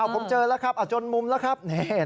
ผมเจอแล้วครับจนมุมแล้วครับ